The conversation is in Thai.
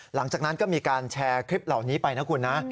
หลังจากนั้นก็มีการแชร์คลิปเหล่านี้ไปนะคุณนะ